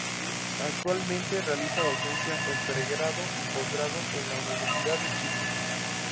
Actualmente realiza docencia en pregrado y postgrado en la Universidad de Chile.